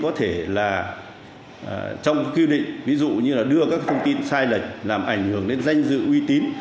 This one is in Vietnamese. có thể là trong quy định ví dụ như là đưa các thông tin sai lệch làm ảnh hưởng đến danh dự uy tín